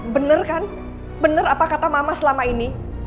bener kan benar apa kata mama selama ini